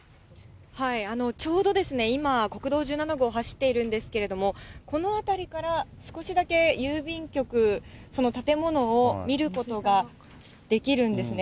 ちょうど今、国道１７号走っているんですけれども、この辺りから少しだけ郵便局、その建物を見ることができるんですね。